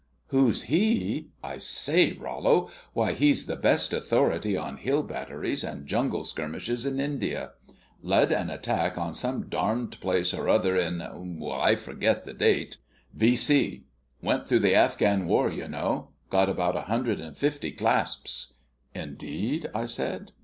"Who's he? I say, Rollo! Why, he's the best authority on hill batteries and jungle skirmishes in India! Led an attack on some darned place or other in I forget the date. V. C. Went through the Afghan war, you know got about a hundred and fifty clasps." "Indeed?" I said.